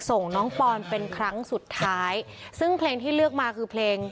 ส่งน้องปอนเป็นครั้งสุดท้ายซึ่งเพลงที่เลือกมาคือเพลง